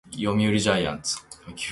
読売ジャイアンツ